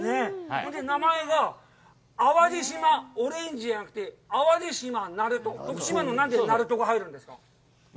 それで、名前が淡路島オレンジじゃなくて、淡路島「ナルト」徳島の何で「ナルト」が入るんですか。